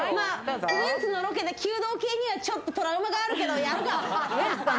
ウエンツのロケで弓道系にはちょっとトラウマがあるけど、やるか。